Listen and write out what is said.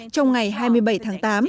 trong ngày hai mươi bảy tháng tám